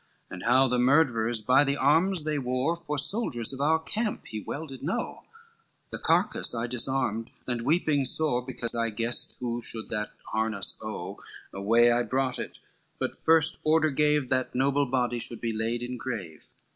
And how the murtherers by the arms they wore, For soldiers of our camp he well did know; The carcass I disarmed and weeping sore, Because I guessed who should that harness owe, Away I brought it, but first order gave, That noble body should be laid in grave.